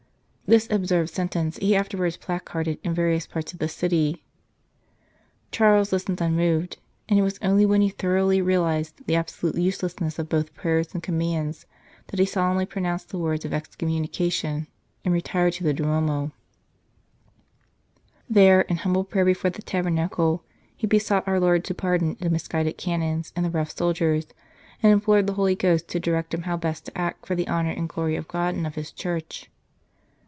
This absurd sentence he afterwards placarded in various parts of the city. Charles listened unmoved, and it was only when he thoroughly realized the absolute uselessness of both prayers and commands that he solemnly pronounced the words of excommunication and retired to the Duomo. 79 St. Charles Borromeo There in humble prayer before the tabernacle he besought our Lord to pardon the misguided Canons and the rough soldiers, and implored the Holy Ghost to direct him how best to act for the honour and glory of God and of His Church.